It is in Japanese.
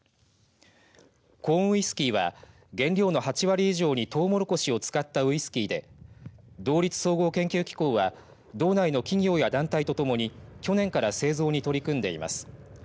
コーンウイスキーは原料の８割以上にトウモロコシを使ったウイスキーで道立総合研究機構は道内の企業や団体とともに去年から製造に取り組んでいます。